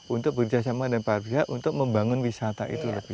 untuk bekerja sama dengan para pihak untuk membangun wisata itu lebih